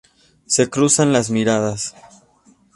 Se cruzan las miradas.